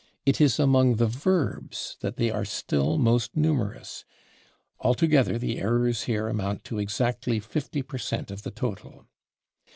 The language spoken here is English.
It is among the verbs that they are still most numerous; altogether, the errors here amount to exactly 50 per cent of the total.